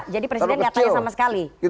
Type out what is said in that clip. jadi presiden enggak tanya sama sekali